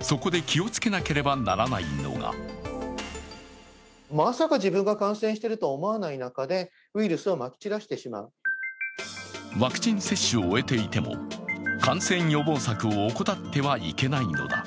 そこで気をつけなければならないのがワクチン接種を終えていても感染予防策を怠ってはいけないのだ。